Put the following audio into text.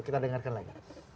kita dengarkan lagi